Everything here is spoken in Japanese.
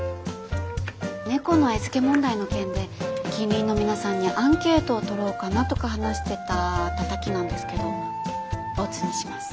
猫の餌付け問題の件で近隣の皆さんにアンケートを取ろうかなとか話してたたたきなんですけどボツにします。